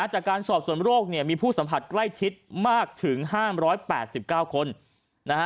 จากการสอบส่วนโรคมีผู้สัมผัสใกล้ชิดมากถึง๕๘๙คน